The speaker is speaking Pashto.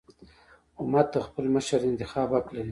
امت د خپل مشر د انتخاب حق لري.